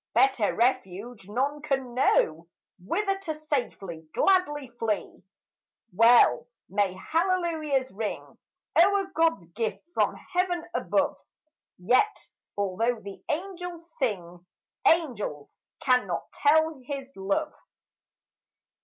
Better refuge none can know Whither to safely, gladly flee. Well may hallelujahs ring O'er God's gift from heaven above; Yet, although the angels sing, Angels cannot tell his love.